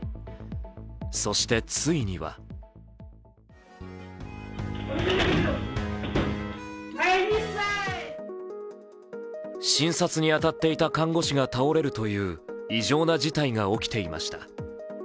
そしてついには診察に当たっていた看護士が倒れるという異常な事態が起きていました。